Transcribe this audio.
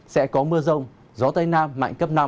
sẽ có mưa rông gió tây nam mạnh cấp năm